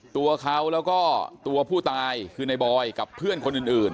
ตัวเขาแล้วก็ตัวผู้ตายคือในบอยกับเพื่อนคนอื่น